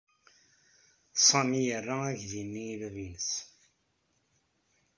Sami yerra aydi-nni i bab-nnes.